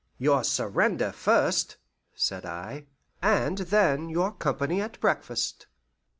"Your surrender first," said I, "and then your company at breakfast."